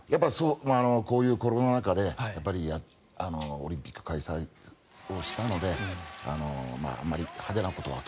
こういうコロナ禍でオリンピック開催をしたのであまり派手なことは。